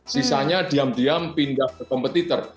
sisanya diam diam pindah ke kompetitor